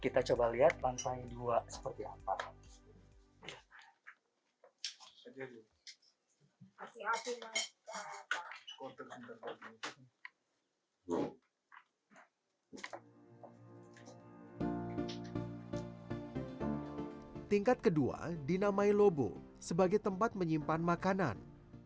tingkat kedua dinamai lobo sebagai tempat menyimpan makanan